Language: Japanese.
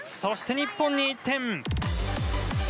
そして、日本に１点。